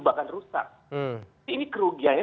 bahkan rusak ini kerugiannya